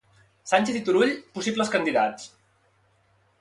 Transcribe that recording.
Sànchez i Turull, possibles candidats.